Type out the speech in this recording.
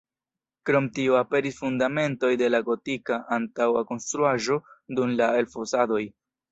Krom tio aperis fundamentoj de la gotika antaŭa konstruaĵo dum la elfosadoj.